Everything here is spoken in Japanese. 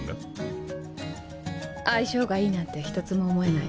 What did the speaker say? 相性がいいなんて一つも思えない。